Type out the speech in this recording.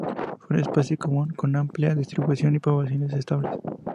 Es una especie común, con amplia distribución y poblaciones estables.